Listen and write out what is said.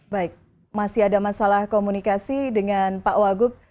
baik masih ada masalah komunikasi dengan pak wagub